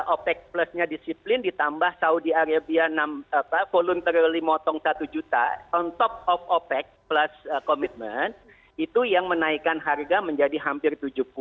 opec plusnya disiplin ditambah saudi arabia voluntarily motong satu juta on top of opec plus commitment itu yang menaikkan harga menjadi hampir tujuh puluh